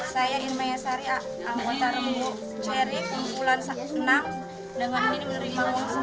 saya irma yassari anggota rembuk ceri kumpulan senang